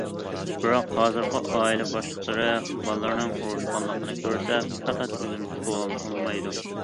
بىراق ھازىرقى ئائىلە باشلىقلىرى بالىلىرىنىڭ ئۇرۇشقانلىقىنى كۆرسە، پەقەت ئۆزىنى تۇتۇۋالالمايدۇ.